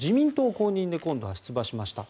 公認で今度は出馬しました。